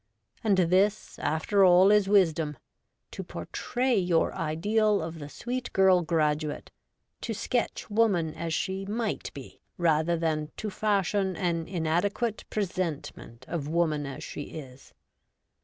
And this, after all, is wisdom : to portray your ideal of the sweet girl graduate ; to sketch woman as she WOMAN UP TO DATE. 21 might be, rather than to fashion an inadequate pre sentment of woman as she is.